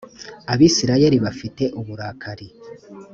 abisirayeli bafite uburakari.